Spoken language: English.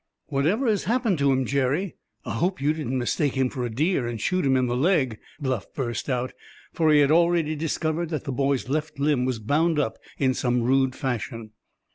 "Whatever has happened to him; Jerry, I hope you didn't mistake him for a deer, and shoot him in the leg?" Bluff burst out, for he had already discovered that the boy's left limb was bound up in some rude fashion.